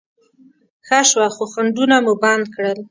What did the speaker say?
ښه شوه، څو خنډونه مو بند کړل.